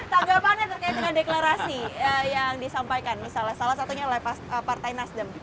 tanggapannya terkait dengan deklarasi yang disampaikan misalnya salah satunya oleh partai nasdem